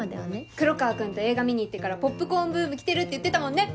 黒川君と映画見に行ってからポップコーンブーム来てるって言ってたもんね！